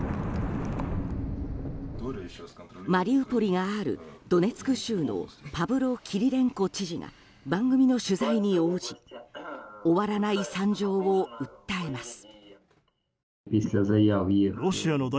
マリウポリがあるドネツク州のパブロ・キリレンコ知事が番組の取材に応じ終わらない惨状を訴えます。